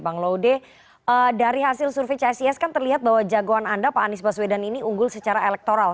bang laude dari hasil survei csis kan terlihat bahwa jagoan anda pak anies baswedan ini unggul secara elektoral